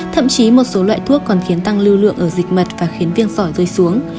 thậm chí một số loại thuốc còn khiến tăng lưu lượng ở dịch mật và khiến viêng sỏi rơi xuống